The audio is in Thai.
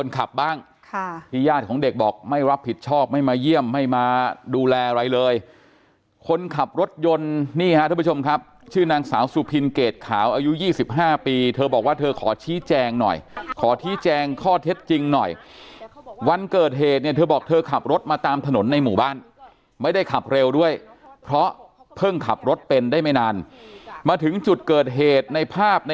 ขับบ้างค่ะที่ญาติของเด็กบอกไม่รับผิดชอบไม่มาเยี่ยมไม่มาดูแลอะไรเลยคนขับรถยนต์นี่ฮะทุกผู้ชมครับชื่อนางสาวสุพินเกรดขาวอายุ๒๕ปีเธอบอกว่าเธอขอชี้แจงหน่อยขอชี้แจงข้อเท็จจริงหน่อยวันเกิดเหตุเนี่ยเธอบอกเธอขับรถมาตามถนนในหมู่บ้านไม่ได้ขับเร็วด้วยเพราะเพิ่งขับรถเป็นได้ไม่นานมาถึงจุดเกิดเหตุในภาพใน